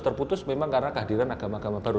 terputus memang karena kehadiran agama agama baru